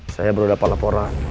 saya baru dapat laporan